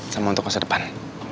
sama untuk masa depan